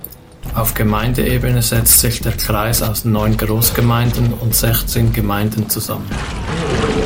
Auf Gemeindeebene setzt sich der Kreis aus neun Großgemeinden und sechzehn Gemeinden zusammen.